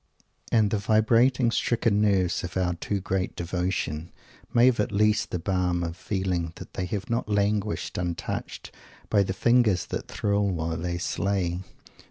_ And the vibrating, stricken nerves of our too great devotion may have at least the balm of feeling that they have not languished untouched by the fingers that thrill while they slay.